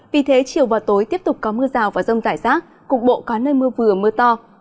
vì thế chiều và tối tiếp tục có mưa rào và rông rải rác cục bộ có nơi mưa vừa mưa to